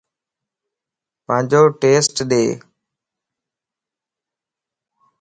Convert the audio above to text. پانجو ٽيسٽ ڏي